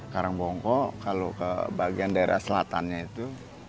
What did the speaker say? karang bongko kalau ke bagian daerah selatannya itu